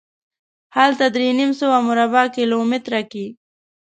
هلته درې نیم سوه مربع کیلومترۍ کې.